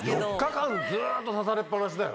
４日間ずっと刺されっ放しだよ。